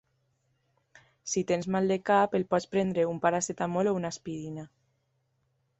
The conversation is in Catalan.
Si tens mal de cap, et pots prendre un paracetamol o una aspirina